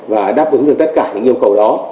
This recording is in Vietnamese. và đáp ứng được tất cả những yêu cầu đó